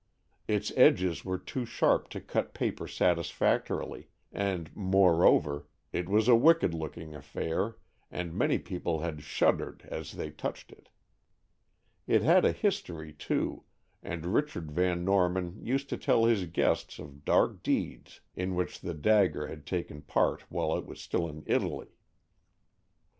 Its edges were too sharp to cut paper satisfactorily, and, moreover, it was a wicked looking affair, and many people had shuddered as they touched it. It had a history, too, and Richard Van Norman used to tell his guests of dark deeds in which the dagger had taken part while it was still in Italy.